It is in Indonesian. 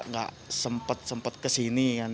nggak sempat sempat kesini